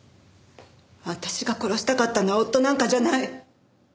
私が殺したかったのは夫なんかじゃない。